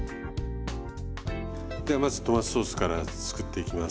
ではまずトマトソースから作っていきます。